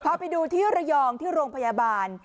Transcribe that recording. พอไปดูที่ระยองที่โรงพยาบาล